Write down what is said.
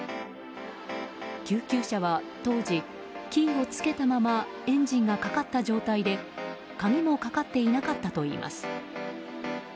救急車は当時、キーを付けたままエンジンがかかった状態で鍵もかかっていなかったといいます。